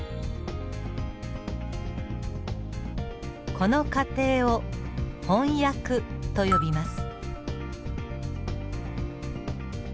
この過程を翻訳と呼びます。